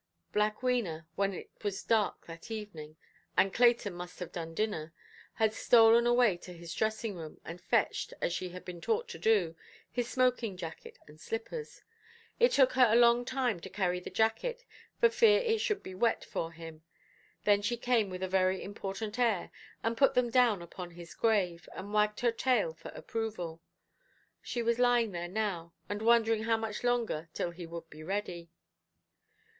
Black Wena, when it was dark that evening, and Clayton must have done dinner, had stolen away to his dressing–room, and fetched, as she had been taught to do, his smoking–jacket and slippers. It took her a long time to carry the jacket, for fear it should be wet for him. Then she came with a very important air, and put them down upon his grave, and wagged her tail for approval. She was lying there now, and wondering how much longer till he would be ready.